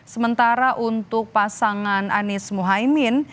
sementara untuk pasangan anies mohaimin